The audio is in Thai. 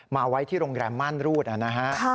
มาไว้ที่โรงแรมม่านรูดนะฮะ